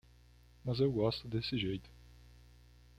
Mas eu gosto desse jeito.